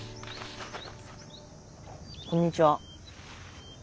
こんにちは。